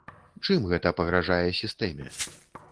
Чым гэта пагражае сістэме?